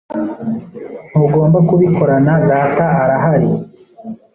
Ntugomba kubikorana data arahari